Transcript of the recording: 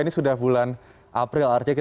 ini sudah bulan april